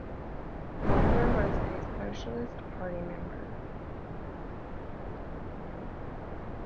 Reuther was a Socialist Party member.